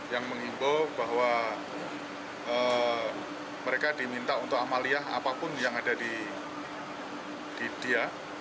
yang mengimbau bahwa mereka diminta untuk amaliyah apapun yang ada di dia